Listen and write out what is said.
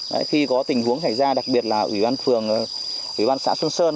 đấy khi có tình huống xảy ra đặc biệt là ủy ban phường ủy ban xã xuân sơn